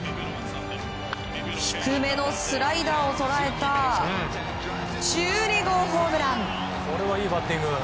低めのスライダーを捉えた１２号ホームラン！